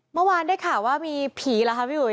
เมื่อวานได้ข่าวว่ามีผีเหรอคะพี่อุ๋ย